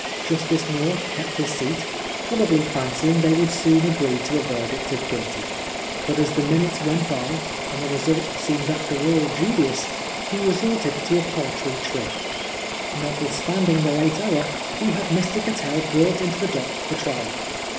Justice North kept his seat, probably fancying they would soon agree to a verdict of Guilty. But as the minutes went by, and the result seemed after all dubious, he resorted to 82 PBISONEB FOB BLASPHEMT. paltry trick. Notwithstanding the late hour, he had Mr. Cattell brought into the dock for trial.